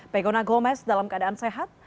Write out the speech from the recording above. pegona gomez dalam keadaan sehat